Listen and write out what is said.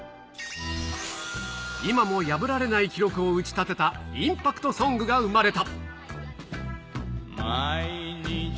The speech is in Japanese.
今も破られない記録を打ち立てたインパクトソングが生まれた。